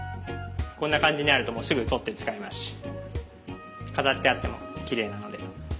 こんな感じにあるとすぐとって使えますし飾ってあってもきれいなので。